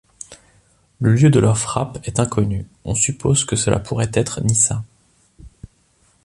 Le lieu de leur frappe est inconnu; on suppose que cela pourrait être Nisa.